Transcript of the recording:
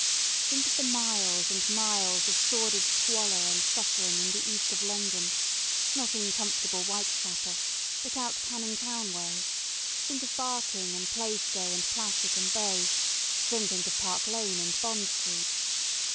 Think of the miles and miles of sordid squalor and suffering in the East of London not in comfortable Whitechapel, but out Canning Town way; think of Barking and Plaistow and Plashet and Bow then think of Park Lane and Bond Street.